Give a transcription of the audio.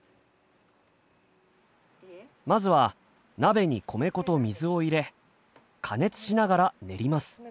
まずは鍋に米粉と水を入れ加熱しながら練ります。